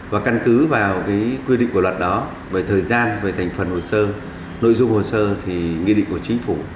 và căn cứ vào quy định của luật đó về thời gian về thành phần hồ sơ nội dung hồ sơ thì nghị định của chính phủ